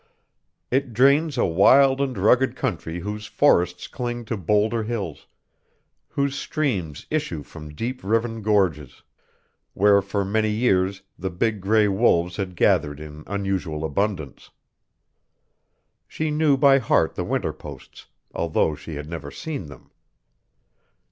It drains a wild and rugged country whose forests cling to bowlder hills, whose streams issue from deep riven gorges, where for many years the big gray wolves had gathered in unusual abundance. She knew by heart the winter posts, although she had never seen them.